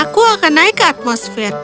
aku akan naik ke atmosfer